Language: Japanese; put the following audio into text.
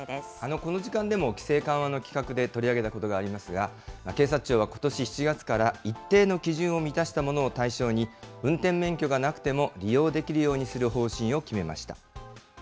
この時間でも規制緩和の企画で取り上げたことがありますが、警察庁はことし７月から一定の基準を満たしたものを対象に、運転免許がなくても利用できるようにする方針を決めました。